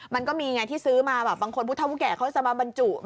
มันก็มีไงที่ซื้อมาบางคนพุทธภูมิแก่เขาจะมาบรรจุ